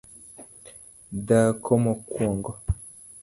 dhako mokuongo